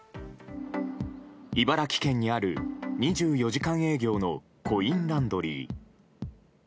茨城県にある２４時間営業のコインランドリー。